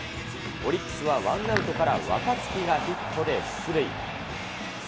オリックスはワンアウトから若月がヒットで出塁。